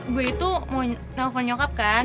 gue itu mau telfon nyokap kan